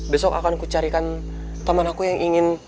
besok akan kucarikan teman aku yang ingin